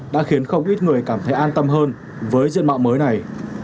đã khiến không ít người cảm thấy an tâm hơn với diện mạo mới này